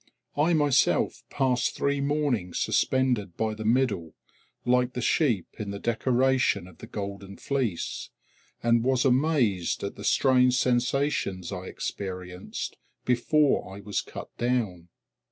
I myself passed three mornings suspended by the middle, like the sheep in the decoration of the Golden Fleece, and was amazed at the strange sensations I experienced before I was cut down.